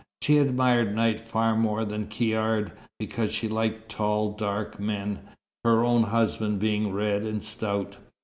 She admired Knight far more than Caird, because she liked tall, dark men, her own husband being red and stout.